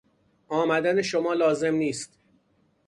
آمدن شما لازم نیست.